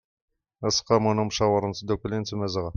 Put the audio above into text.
aseqqamu n ymcawer n tdukli n tmazɣa